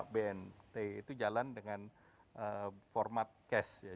bnt itu jalan dengan format cash ya